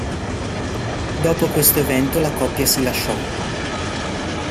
Dopo questo evento la coppia si lasciò.